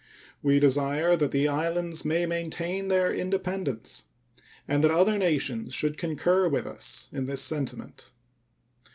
We desire that the islands may maintain their independence and that other nations should concur with us in this sentiment.